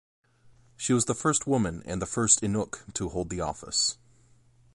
She was the first woman and first Inuk to hold the office.